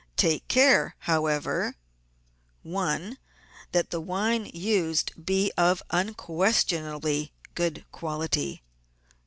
Take care, how ever— 1. That the wine used be of an unquestionably good quality.